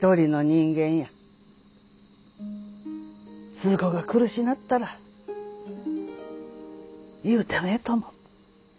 スズ子が苦しなったら言うてもええと思う。